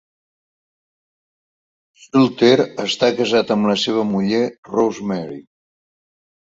Schulter està casat amb la seva muller Rosemary.